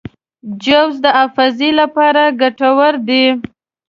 جوز د حافظې لپاره ګټور دي.